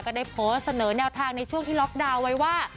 ก็ได้โพสต์เสนอแนวทางในช่วงที่ล็อกดาวน์ไว้ว่า